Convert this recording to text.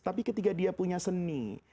tapi ketika dia punya seni